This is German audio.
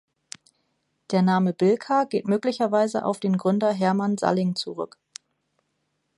Der Name Bilka geht möglicherweise auf den Gründer Herman Salling zurück.